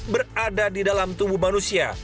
berada di dalam tubuh manusia